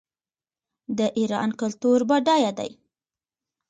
د ایران کلتور بډایه دی.